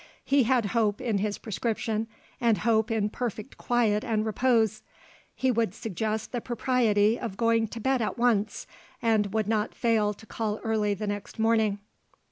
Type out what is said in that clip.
He had hope in his prescription, and hope in perfect quiet and repose he would suggest the propriety of going to bed at once, and would not fail to call early the next morning.